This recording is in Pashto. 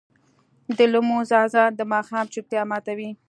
د لمونځ اذان د ماښام چوپتیا ماتوي.